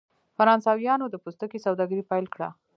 فرانسویانو د پوستکي سوداګري پیل کړه.